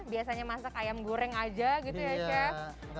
biasanya masak ayam goreng aja gitu ya chef